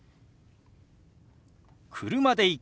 「車で行く」。